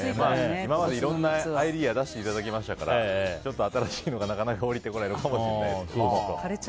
今までいろんなアイデア出していただきましたから新しいのがなかなか降りてこないのかもしれないです。